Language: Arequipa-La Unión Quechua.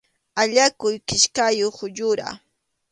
Allakuq kichkayuq yura.